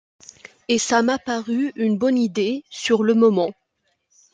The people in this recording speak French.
Et ça m’a paru une bonne idée, sur le moment.